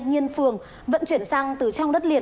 nhiên phường vận chuyển xăng từ trong đất liền